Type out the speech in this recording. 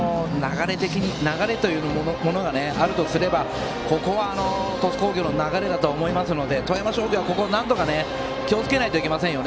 流れというものがあるとすればここは鳥栖工業の流れだと思いますので富山商業は、なんとかここは気をつけないといけません。